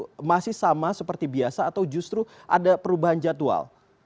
atau masih sama seperti biasa atau justru ada perubahan jadwal